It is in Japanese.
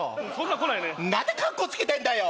なんでカッコつけてんだよ